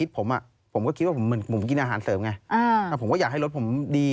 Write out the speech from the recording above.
ผมกินอาหารเสิร์ฟไงแต่ผมก็อยากให้รถผมดี